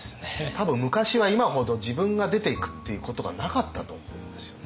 多分昔は今ほど自分が出ていくっていうことがなかったと思うんですよ。